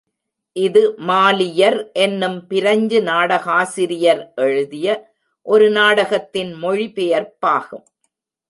இது மாலியர் என்னும் பிரஞ்சு நாடகாசிரியர் எழுதிய ஒரு நாடகத்தின் மொழி பெயர்ப்பாகும்.